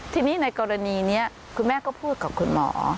ทีนี้ในกรณีนี้คุณแม่ก็พูดกับคุณหมอ